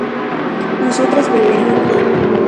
nosotras beberíamos